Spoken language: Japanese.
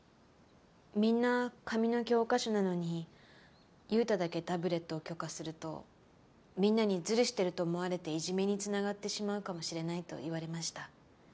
みんな紙の教科書なのに優太だけタブレットを許可するとみんなにずるしてると思われていじめに繋がってしまうかもしれないと言われました。